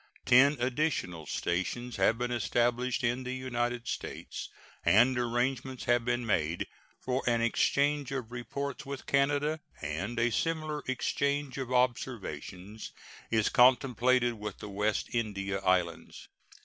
Ten additional stations have been established in the United States, and arrangements have been made for an exchange of reports with Canada, and a similar exchange of observations is contemplated with the West India Islands.